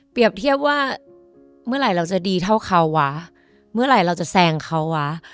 เทียบว่าเมื่อไหร่เราจะดีเท่าเขาวะเมื่อไหร่เราจะแซงเขาวะ